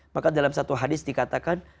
maka dalam satu hadis dikatakan